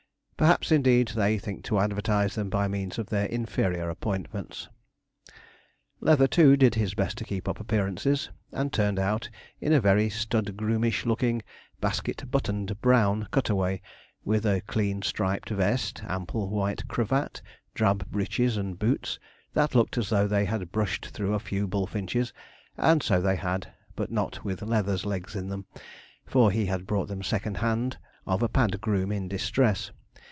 Perhaps, indeed, they think to advertise them by means of their inferior appointments. Leather, too, did his best to keep up appearances, and turned out in a very stud groomish looking, basket button'd, brown cutaway, with a clean striped vest, ample white cravat, drab breeches and boots, that looked as though they had brushed through a few bullfinches; and so they had, but not with Leather's legs in them, for he had bought them second hand of a pad groom in distress.